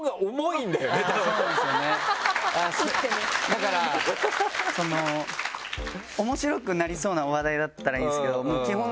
だから面白くなりそうな話題だったらいいんですけど基本。